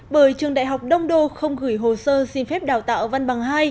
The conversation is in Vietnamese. bởi trường đại học đông đô không gửi hồ sơ xin phép đào tạo văn bằng hai